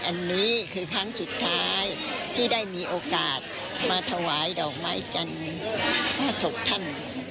อันนี้คือครั้งสุดท้ายที่ได้มีโอกาสมาถวายดอกไม้จันทร์พระศพท่าน